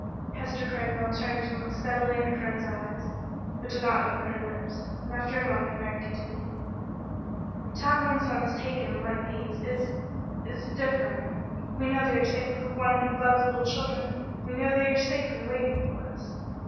Hester Craigmile turned and looked steadily in her friend's eyes, but did not open her lips, and after a moment Mary continued: "To have one's sons taken like these is is different. We know they are safe with the One who loved little children; we know they are safe and waiting for us.